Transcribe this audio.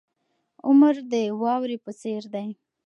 عمر د واورې په څیر دی.